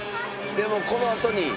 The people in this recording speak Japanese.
でもこのあとに。